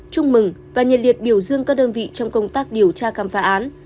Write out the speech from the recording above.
chúc mừng và nhiệt liệt biểu dương các đơn vị trong công tác điều tra khám phá án